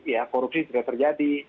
ya korupsi tidak terjadi